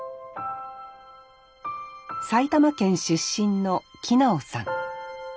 埼玉県出身の木直さん。